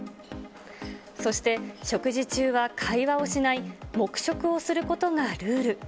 そして食事中は会話をしない黙食をすることがルール。